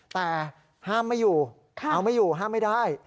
แต่ห้ามไม่อยู่เอาไม่อยู่ห้ามไม่ได้